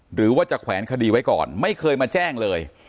หรือว่าจะแขวนคดีไว้ก่อนไม่เคยมาแจ้งเลย